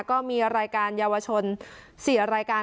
ก็มีรายการเยาวชน๔รายการ